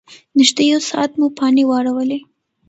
نږدې یو ساعت مو پانې واړولې.